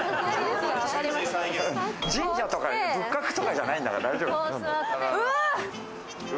神社とか仏閣とかじゃないんだから大丈夫。